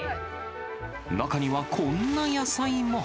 中にはこんな野菜も。